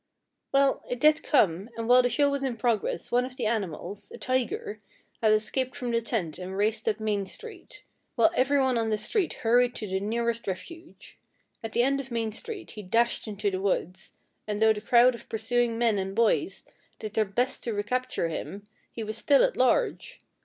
"Well, it did come, and while the show was in progress one of the animals, a tiger, had escaped from the tent and raced up Main Street, while everyone on the street hurried to the nearest refuge. At the end of Main Street he dashed into the woods, and though the crowd of pursuing men and boys did their best to recapture him, he was still at large.